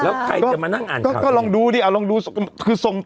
แล้วใครจะมานั่งอ่านก็ลองดูดิเอาลองดูคือทรง